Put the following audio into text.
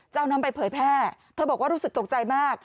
จะเอานำไปเผยแพร่เธอบอกว่ารู้สึกตกใจมาก